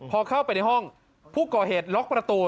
พอเข้าไปในห้องผู้ก่อเหตุล็อกประตู